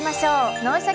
「脳シャキ！